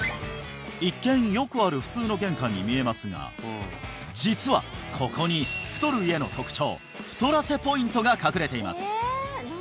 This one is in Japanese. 一見よくある普通の玄関に見えますが実はここに太る家の特徴太らせポイントが隠れています